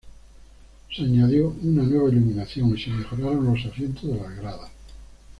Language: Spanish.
Se añadió una nueva iluminación, y se mejoraron los asientos de las gradas.